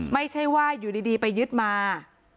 ไม่ใช่ว่าอยู่ดีไปยึดมา